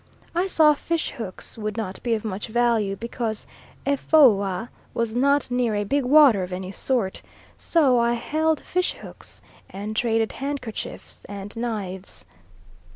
I saw fish hooks would not be of much value because Efoua was not near a big water of any sort; so I held fish hooks and traded handkerchiefs and knives.